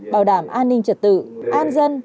bảo đảm an ninh trật tự an dân